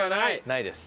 ないです。